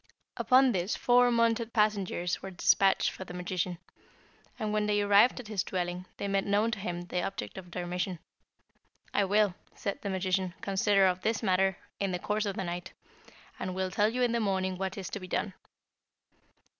"Upon this four mounted messengers were despatched for the magician, and when they arrived at his dwelling, they made known to him the object of their mission. 'I will,' said the magician, 'consider of this matter in the course of the night, and will tell you in the morning what is to be done.'